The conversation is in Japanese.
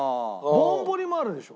ぼんぼりもあるでしょ？